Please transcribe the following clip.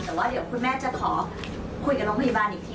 แต่ว่าเดี๋ยวคุณแม่จะขอคุยกับโรงพยาบาลอีกที